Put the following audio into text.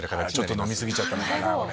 飲み過ぎちゃったのかな。